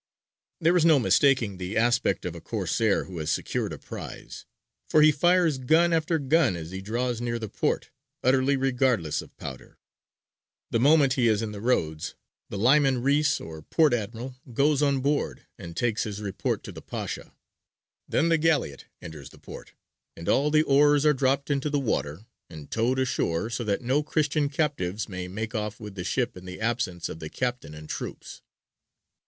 There is no mistaking the aspect of a Corsair who has secured a prize: for he fires gun after gun as he draws near the port, utterly regardless of powder. The moment he is in the roads, the Liman Reïs, or Port Admiral, goes on board, and takes his report to the Pasha; then the galleot enters the port, and all the oars are dropped into the water and towed ashore, so that no Christian captives may make off with the ship in the absence of the captain and troops.